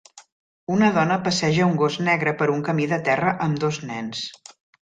Una dona passeja un gos negre per un camí de terra amb dos nens.